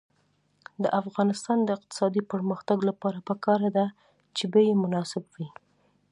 د افغانستان د اقتصادي پرمختګ لپاره پکار ده چې بیې مناسبې وي.